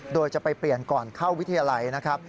โดยจะไปเปลี่ยนก่อนเข้าวิทยาลัยนะครับ